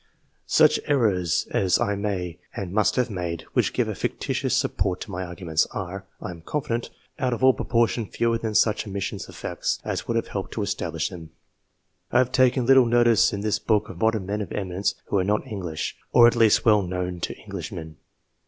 Such errors as I may and must have made, which give a fictitious support to my arguments, are, I am confident, out of all proportion fewer than such omissions of facts as would have helped to establish them. I have taken little noti'ce in this book of modern men of eminence who are not English, or at least well known to Englishmen.